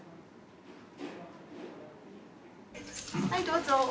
はいどうぞ。